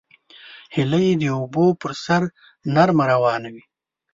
هیلۍ د اوبو پر سر نرمه روانه وي